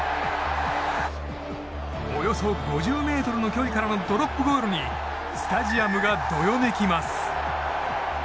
およそ５０ｍの距離からのドロップゴールにスタジアムがどよめきます。